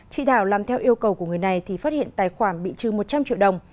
chị thảo làm theo yêu cầu của người này thì phát hiện tài khoản bị trừ một trăm linh triệu đồng